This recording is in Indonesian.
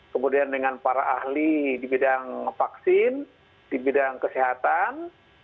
kemudian dengan para ahli di bidang vaksin di bidang kesehatan